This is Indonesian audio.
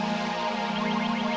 nah kalau nggak mau